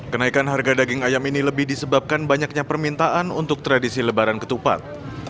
kenaikan harga daging ayam ini lebih disebabkan banyaknya permintaan untuk tradisi lebaran ketupat